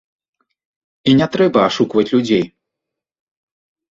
І не трэба ашукваць людзей.